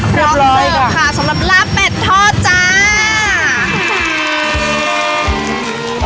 เสิร์ฟค่ะสำหรับลาบเป็ดทอดจ้า